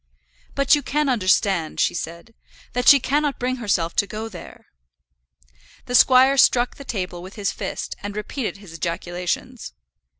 "But you can understand," she said, "that she cannot bring herself to go there." The squire struck the table with his fist, and repeated his ejaculations.